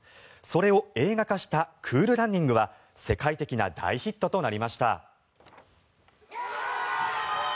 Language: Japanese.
それを映画化した「クール・ランニング」は世界的な大ヒットとなりました。